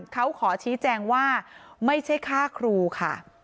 เขาขอชี้แจงว่าไม่ใช่ค่าครูค่ะ